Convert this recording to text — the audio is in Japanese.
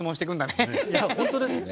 本当ですね。